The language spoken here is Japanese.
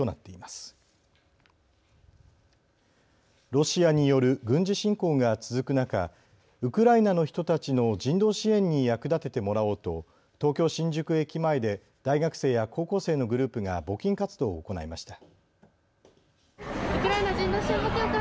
ロシアによる軍事侵攻が続く中、ウクライナの人たちの人道支援に役立ててもらおうと東京、新宿駅前で大学生や高校生のグループが募金活動を行いました。